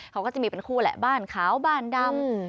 เขาก็จะมีเป็นคู่แหละบ้านขาวบ้านดำ